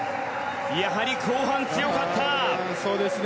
やはり後半、強かった。